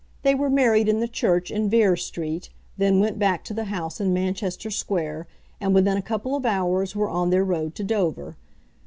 They were married in the church in Vere Street, then went back to the house in Manchester Square, and within a couple of hours were on their road to Dover.